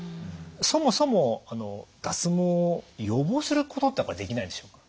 そもそも脱毛を予防することってやっぱりできないんでしょうか？